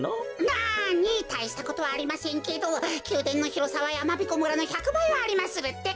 なにたいしたことはありませんけどきゅうでんのひろさはやまびこ村の１００ばいはありまするってか。